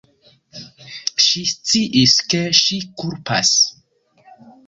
Ŝi sciis, ke ŝi kulpas.